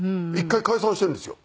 １回解散してるんですよ。